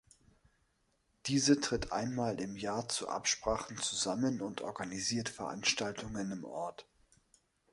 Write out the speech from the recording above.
Diese tritt einmal im Jahr zu Absprachen zusammen und organisiert Veranstaltungen im Ort.